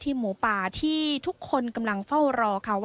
ที่หมู่ป่าที่ทุกคนกำลังเฝ้ารอ